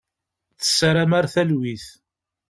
Tessaram ar talwit.